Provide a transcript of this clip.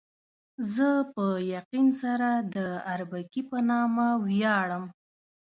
زه په یقین سره د اربکي په نامه ویاړم.